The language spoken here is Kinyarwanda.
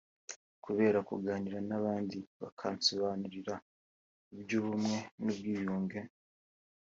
kubera kuganira n’abandi bakansobanurira iby’ubumwe n’ubwiyunge”